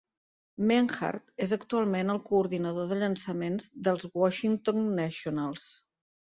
Menhart és actualment el coordinador de llançament dels Washington Nationals.